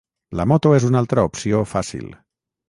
La moto és una altra opció fàcil.